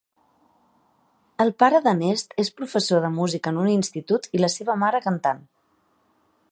El pare d'en Hest és professor de música en un institut i la seva mare cantant.